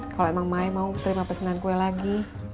kalau emang may mau terima pesanan kue lagi